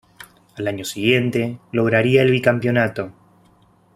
Al año siguiente lograría el bicampeonato.